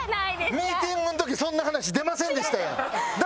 ミーティングの時そんな話出ませんでしたやん！